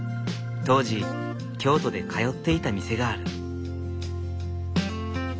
当時京都で通っていた店がある。